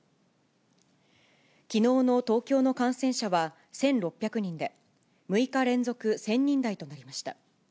きのうの東京の感染者は１６００人で、６日連続１０００人台となりました。